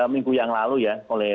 minggu yang lalu ya